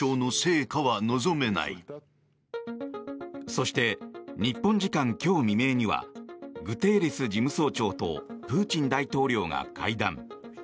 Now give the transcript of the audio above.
そして日本時間今日未明にはグテーレス事務総長とプーチン大統領が会談。